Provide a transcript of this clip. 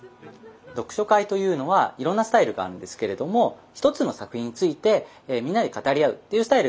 読書会というのはいろんなスタイルがあるんですけれども一つの作品についてみんなで語り合うっていうスタイルが割と多めです。